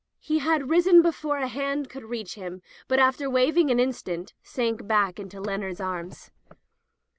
He had risen before a hand could reach him, but after wavering an instant sank back into Leonard's arms.